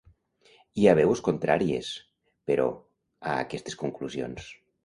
Hi ha veus contràries, però, a aquestes conclusions.